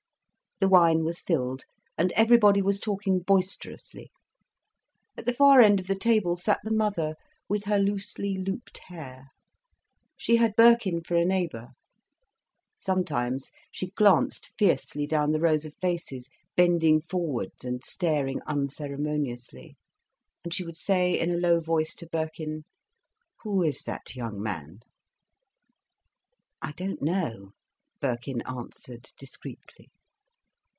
The wine was filled, and everybody was talking boisterously. At the far end of the table sat the mother, with her loosely looped hair. She had Birkin for a neighbour. Sometimes she glanced fiercely down the rows of faces, bending forwards and staring unceremoniously. And she would say in a low voice to Birkin: "Who is that young man?" "I don't know," Birkin answered discreetly.